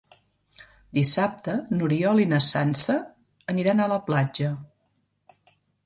Dissabte n'Oriol i na Sança aniran a la platja.